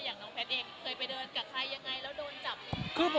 อย่างน้องแพทย์เองเคยไปเดินกับใครยังไงแล้วโดนจับ